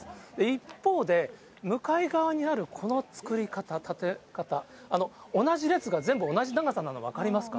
一方で、向かい側にあるこの作り方、立て方、同じ列が全部同じ長さなの、分かりますか。